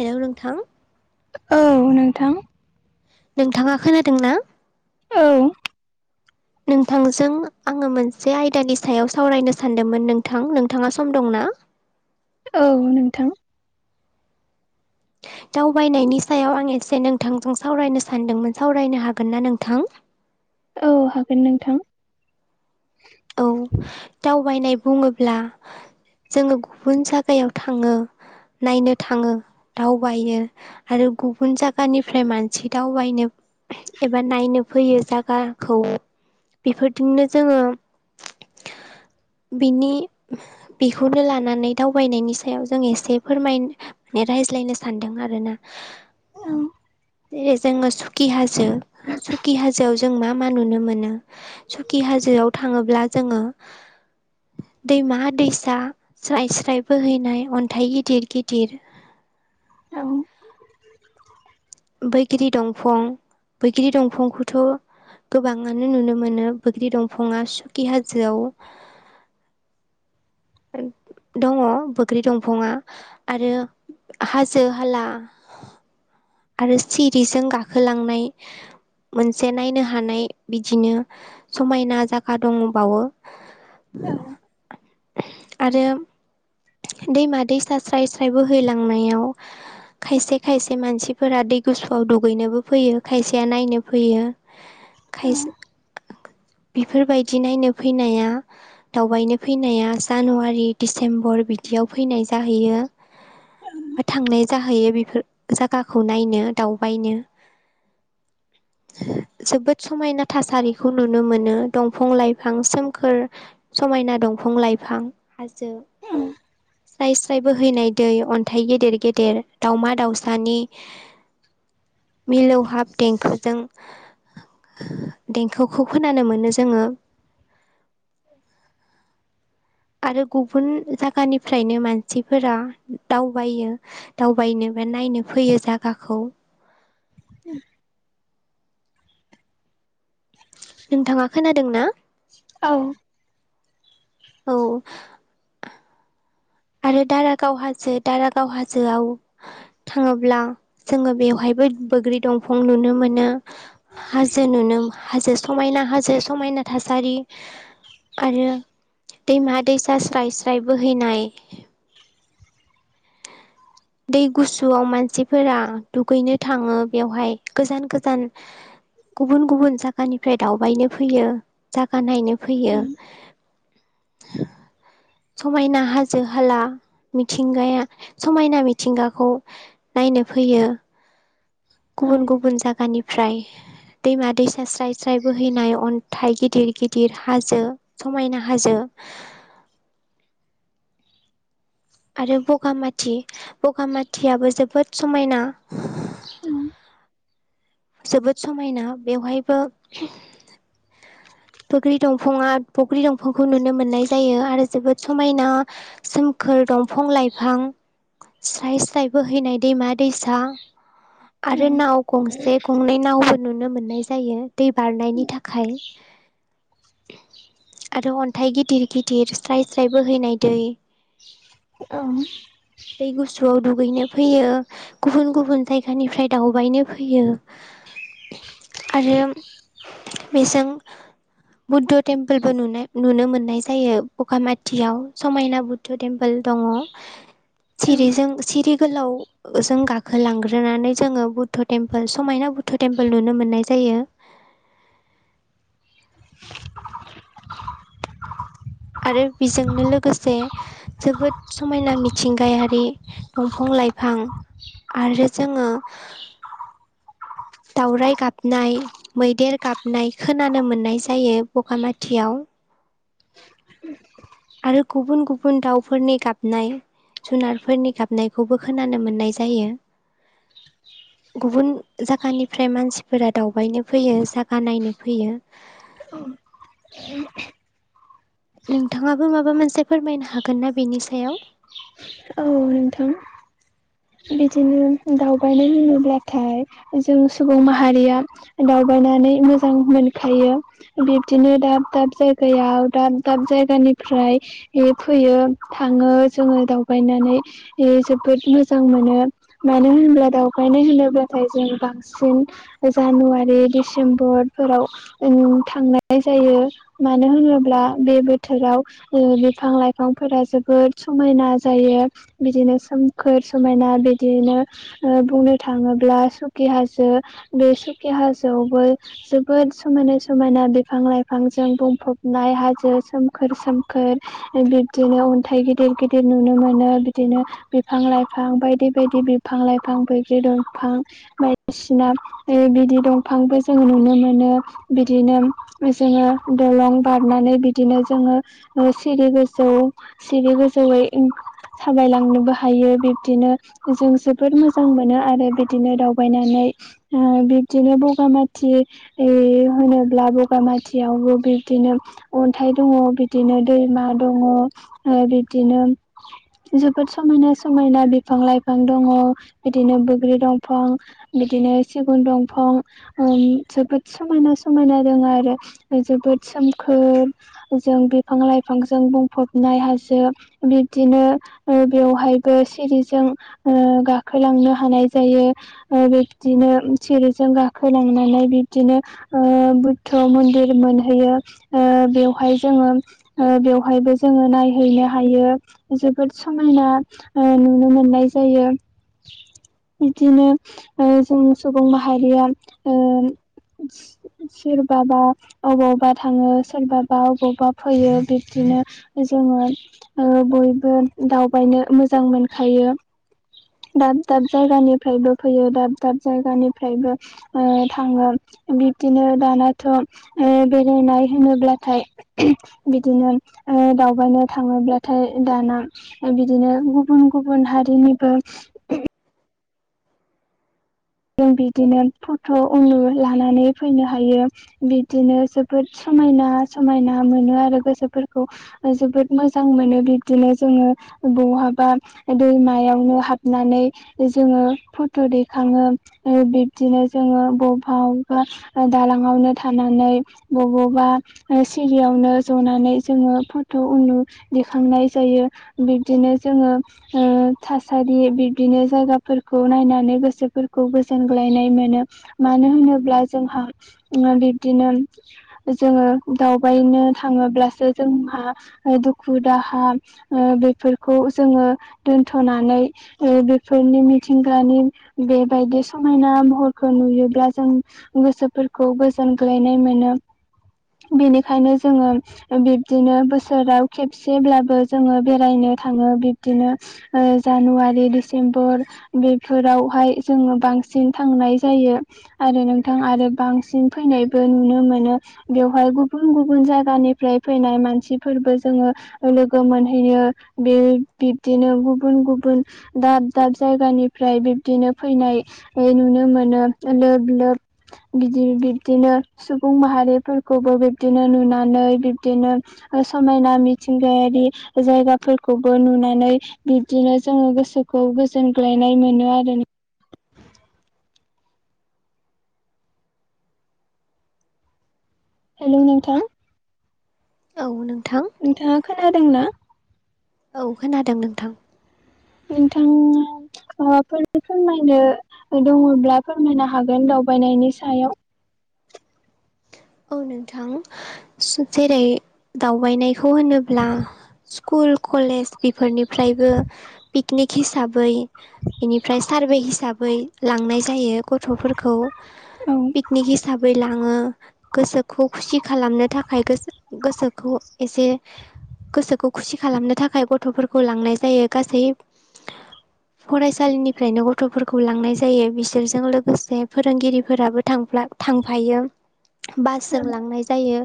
हेल' नोंथां। औ नोंथां। नोंथाङा खोनादोंना? औ। नोंथांजों आङो मोनसे आयदानि सायाव सावरायनो सानदोंमोन नोंथां नोंथाङा सम दंना? [inaudible] औ नोंथां। [inaudible] दावबायनायनि सायाव आं एसे नोंथांजों सावरायनो सानदोंमोन सावरायनो हागोन ना नोंथां? औ हागोन नोंथां। औ दावबायनाय बुङोब्ला जोङो गुबुन जायागायाव थाङो। नायनो थाङो दावबायो आरो गुबुन जायगानिफ्राय मानसि दावबायनो एबा नायनो फैयो जागाखौ बेफोरजोंनो जोङो। [inaudible] बिनि बेखौनो लानानै दावबायनायनि सायाव जों एसे फोरमाय राय ज्लायनो सानदों आरोना औ जेरै जोङो सुकि हाजो सुकि हाजोआव जों मा मा नुनो मोनो? सुकि हाजोआव थाङोब्ला जोङो दैमा दैसा स्राय स्राय बोहैनाय अन्थाइ गिदिर गिदिर [inaudible] औ बैग्रि दंफं बैग्रि दंफंखौथ' गोबाङानो नुनो मोनो बैग्रि दंफंङा सुखि हाजोआव [inaudible] दङ बोग्रि दंफंङा आरो हाजो हाला आरो सिरिजों गाखोलांनाय मोनसे नायनो हानाय बिदिनो समायना जागा दङबावो औ आरो दैमा दैसा स्राय स्राय बोहैलांनायाव खायसे खायसे मानसिफोरा दै गुसुआव दुगैनोबो फैयो खायसेया नायनो फैयो औ खायसे बेफोर बायदि नायनो फैनाया दावबायनो फैनाया जानुवारि, डिसेम्बर बिदियाव फैनाय जाहैयो। थांनाय जाहैयो बेफोर जागाखौ नायनो दावबायनो [inaudible] जोबोद समायना थासारिखौ नुनो मोनो दंफां लाइफां सोमखोर समायना दंफां लाइफां हाजो औ स्राय स्रायबो हैनाय दै अन्थाइ गेदेर गेदेर दाावमा दाउसानि मिलौहाब देंखोजों देंखोखौ खोनानो मोनो जोङो [inaudible] आरो गुबुन जायगानिफ्रायनो मानसिफोरा दावबायो दावबायनो ओफ्राय नायनो फैयो जागाखौ उ [unintelligible] नोंथाङा खोनादों ना? औ औ आरो दारागाव हाजो दारागाव हाजोआव थाङोब्ला जोङो बेवहाय बो बग्रि दंंफं नुनो मोनो हाजो नुनो मो हाजो समायना हाजो समायना थासारि आरो दैमा दैसा स्राय स्राय बोहैनाय दै गुसुआव मानसिफोरा दुगैनो थाङो बेवहाय गोजान गोजान गुबुन गुबुन जायगानिफ्राय दावबायनो फैयो जागा नायनो फैयो [inaudible] समायना हाजो हाला मिथिंगाया समायना मिथिंगाखौ नायनो नो फैयो। गुबुन गुबुन जायगानिफ्राय दैमा दैसा स्राय स्राय बोहैनाय अन गथाइ गिदिर गिदिर हाजो समायना हाजो आरो बगामाथि बगामाथियाबो जोबोद समायना जोबोद समायना बेवहायबो बुग्रि दंफंङा बग्रि दंफांखौ नुनो मोननाय जायो आरो जोबोद समायना सोमखोर दंफां लाइफां स्राय स्राय बोहैनाय दैमा दैसा आरो नाव गंसे गंनै नावबो नुनो मोननाय जायो दै बारनायनि थाखाय आरो अन्थाइ गिदिर गिदिर स्राय स्राय बोहैनाय दै ओं दै गुसुआव दुगैनो फैयो गुबुन गुबुन जायगानिफ्राय दावबायनो फैयो। आरोम बेजों बुद्ध' टेमपोलबो नुनाय नुनो मोन्नाय जायो बखामाथियाव समायना बुद्ध' थेम्पो [unintelligible] दङ' सिरिजों सिरि गोलाव जों गाखोलांग्रोनानै जोङो बुद्ध टेम्पोलस समायना बुध टेम्पोल नुनो मोननाय जायो। आरो बेजोंनो लोगोसे जोबोद समायना मिथिंगायारि दंफं [unintelligible] लाइफां आरो जोङो दावराइ गाबनाय मैदेर गाबनाय खोनानो मोननाय जायो बगामाथियाव आरो गुबुन गुबुन दाउफोरनि गाबनाय जुनारफोरनि गाबनायखौबो खोनानो मोननाय जायो। गुबुन जागानिफ्राय मानसिफोरा दावबायनो फैयो जागा नायनो फैयो। [inaudible] नोंथाङाबो माबा मोनसे फोरमायनो हागोन ना बेनि सायाव औ नोंथां बिदिनो दावबायनाय होनोब्लाथाय जों सुबुं माहारिया दाव बायनानै मोजां मोनखायो बिब्दिनो दाब दाब जागायाव दाब दाब जायगान [unintelligible] निफ्राय [unintelligible] फैयो थाङो जोङो दाउ बायनानै ए जोबोद मोजां मोनो मानो होनब्ला दावबायनाय होनोब्लाथाय जों बा बांसिन जानुवारि डिसेम्बरफोराव ओं थांनाय जायो। मानो होनोब्ला बे बोथोराव ओ बिफां- लाइफांफोरा जोबोद समायना जायो बिदिनो सोमखोर समायना बेदिनो ओ बुंनो थाङोब्ला सुकि [unintelligible] कि हाजो बे सुकि हाजोआवबो जोबोद समायनाय समायना बिफां लाइफां जा [unintelligible] बुंफबनाय हाजो सोमखोर सोमखोर ओ बिब्दिनो अन्थाइ गिदिर गिदिर नुनो मोनो बिदिनो बिफां लाइफां बायदि बायदि बिफां लाइफां बैग्रि दंफां बायदिसिना ओ बिदि दंफांबो जोङो नुनो मोनो बिदिनोम जोङो ओ दलं बारनानै बिदिनो जोङो ओ सिरि गोजौ सिरि गोजौैयै [unintelligible] थाबायलांनोबो हायो बिब्दिनो जों जोबोर मोजां मोनो आरो बेदिनो दावबायनानै ओ बिब्दिनो बगामाथि इ होनोब्ला बगामाथियावबो बिब्दि नो अन्थाइ दङ' बिदिनो दैमा दङ' ओ बिदिनो [inaudible] जोबोद समायना समायना बिफां- लाइफां दङ' बिदिनो बोग्रि दंफं बिदिन [unintelligible] [unintelligible] सिगुन दंफं ओम जोबोद समना समनाना दं आरो ओ जोबोद सोम [unintelligible] जों बिफां लाइफांजों बुंफबनाय हाजो बिब दिनो ओ बेवहायबो सिरिजों ओ गाखोलांनो हानाय जायो। ओ बिब्दिनो उम सिरिजों गाखोलांनानै बिब्दिनो ओ बुद्ध मन्दिर मो मोनहैयो ओ बेवहाय जोङोम ओ बेवहायबो जोङो नायहैनो हायो। जोबोद समायना ओ नुनो मोननाय जायो। इदिनो ओ जों सुबुं माहारियाम ओ सोरबाबा अबावबा थाङो सोरबाबा अबावबा फैयो बिब्दिनो ओज जोङो ओ बयबो दावबायनो मोजां मोनखायो दाब दाब जायगानिफ्रायबो फैयो दाब दाब जायगानिफ्रायबो ओ थाङो बिब्दिनो दानाथ' ओ बेरायनाय होनोब्लाथाय बिदिनो ओ दावबायनो थाङोब्लाथाय दाना ओ बिदिनो गुबुन गुबुन हारिनिबो [unintelligible] जों बिदिनो फटह उनुर लानानै फैनो हायो बिदिनो जोबोद स समायना समायना मोनो आरो गोसोफोरखौ ओ जोबोद मोजां मोनो बिब्दिनो जोङो बहाबा दैमायावनो हाबनानै जोङो फटह' दैखाङो। बिब्दिनो जोङो बबेबावबा दालाांावनो थानानै बबावयावबा सिरियावनो जनानै जोङो फटह' दैेखांनाय जायो। बिदिनो जोङो थासारि बिब्दिनो जायगाफोरखौ नायनानै गोसो खौ गोजोनग्लायनाय मोनो मानो होनोब्ला जोंहा बिब्दिनो जो दावबायनो थाङोब्लासो जोंहा दुखु दाहा ओ जोङो दोनथनानै बेफोरनि मिथिंगानि बे बायदि समायना महरखौ नुयोब्ला जों गोसोफोरखौ गोजोनग्लैनाय मोनो बेनिखायनो जोङो बिबदिनो बोसोराव खेबसेब्लाबो जोङो बेरायनो बिनो जानुवारि सेम्ब बेफोरावहाय जोङो बांसिन थांनाय जायो आरो नोंथां आरो बांसिन फैनायबो नुनो मोनो बेवहाय गुबुन गुबुन जायगानिफ्राय फैनाय मानसिफोरबो जोङो लोगो मोनहैनो बिब्दिनो गुबुन गुबुन दाब दाब जायगानिफ्राय बिबदिनो फैनाय नुनो मोनो लोब लोब बिदि बिब्दिनो सुबुं माहारिफोरखौबो बिब्दिनो नुनानै बिब्दिनो समायना मिथिंगायारि जायगाफोरखौबो नुनानै बि्दिनो जोङो गोसो खौ गोजोनग्लायनाय मोनो आरो हेलौ नोंथां औ नों नोंथाङा खोनादोंना औ खोनादों नोंथां? नोंथां फोर फोरमायनो दङब्ला फोरमायनो हागोन दावबायनायनि सायाव [inaudible] औ नोंथां जेरै दावबायनायखौ होनोब्ला स्कुल कलेज बेफोरनिफ्रायबो पिकनिक हिसाबै बेनिफ्राय सारभे हिसाबै लांनाय जायो गथ'फोरखौ औ पिकनिक हिसाबै लाङो। गोसोखौ खुसि खालामनो थाखाय गोसो गोसोखौ एसे गोसोखौ खुसि खालामनो थाखाय गथ'फोरखौ लांनाय जायो गासै फरायसालिनिफ्रायनो गथ'फोरखौ लांनाय जायो बिसोरजों लोगोसे फोरोंगिरिफोराबो थांफ्ला थांफायो बासजों लांनाय जायो।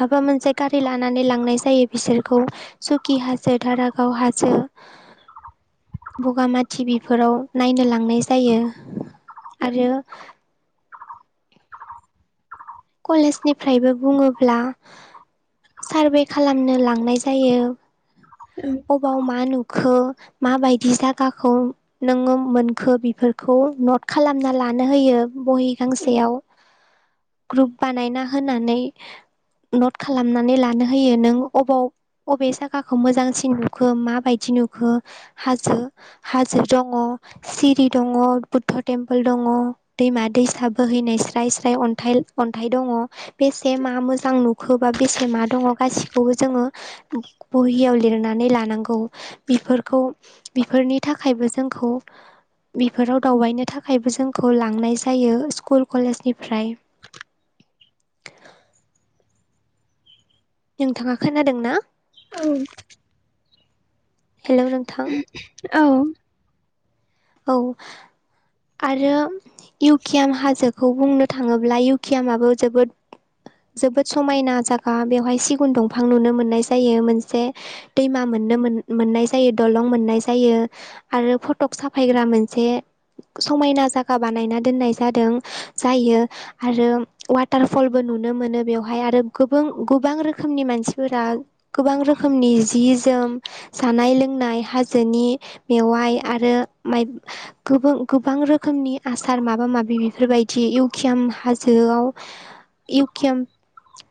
माबा मोनसे गारि लानानै लांनाय जायो बिसोरखौ सुकि हाजो दधारागाव हासो बगामाटि बिफोराव नायनो लांनाय जायो। आरो कलेजनिफ्रायबो बुङोब्ला सारभे खालामनो लांनाय जायो अबाव मा नुखो माबायदि जागाखौ नोङो मोनखो बेफोरखौ नट खालामना लानो होयो। बहि गांसेयाव ग्रुप बानायना होनानै नट खालामनानै लानो होयो नों अबाव अबे साखाखौ मोजांसिन नुखो माबायदि नुखो हाजो हाजो दङ सिरि दङ बुद्ध टेम्पोल दङ। अ दैमा दैसा बोहैनाय स्राय स्राय अन्थाइ अन्थाइ दङ बेसे मा मोजां नुखोबा बेसे मा दङ गासिखौबो जोङो बहियाव लिरनानै लानांगौ बेफोरखौ बेफोरनि थाखायबो जोंखौ बेफोराव दावबायनो थाखायबो जोंखौ लांनाय जायो स्कुल कलेजनिफ्राय नोंथाङा खोनादों ना? औ हेल' नोंथां। औ औ आरो इउकियाम हाजोखौ बुंनो थांङोब्ला इउकियामाबो जोबोद जोबोद समायना जायगा बेवहाय सिगुन दंफां नुनो मोननाय जायो मोनसे दैमा मो- नुनो मोननाय जायो दलं मोननाय जायो आरो फटक साफायग्रा मोनसे समायना जायगा बानायना दोननाय जादों जायो आरो वाटारफलबो नुनो मोनो बेवहाय आरो गोबों गोबां रोखोमनि मानसिफोरा गोबां रोखोमनि जि जोम जानाय लोंनाय हाजोनि मेवाइ आरो माइक गोबां गोबां रोखोमनि आसार माबा माबि बेफोरबायदि इउकियाम हाजो इउकियाम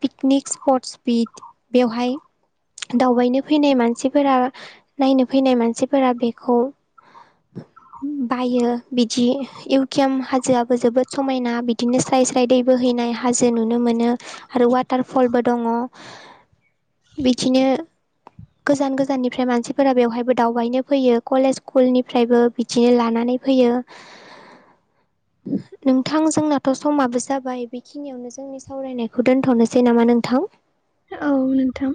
पिकनिक स्पटस बि बेवहाय दावबायनो फैनाय मानसिफोरा नायनो फैनाय मानसिफोरा बेखौ [inaudible] बायो बिदि इउकिएम हाजोआबो जोबोद समायना बिदिनो स्राय स्राय दैबो हैनाय हाजो नुनो मोनो आरो वाटार फलबो दंङ बिदिनो गोजान गोजाननिफ्राय मानसिफोरा बेवहायबो दावबायनो फैयो कलेज स्कुलनि फ्रायबो बिदिनो लानानै फैयो। नोंथां जोंनाथ' समाबो जाबाय बेखिनियावनो जोंनि सावरायनायखौ दोन्थ'नोसै नामा नोंथां [inaudible] औ नोंथां।